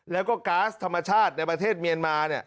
แล้วก็ก๊าซธรรมชาติในประเทศเมียนมา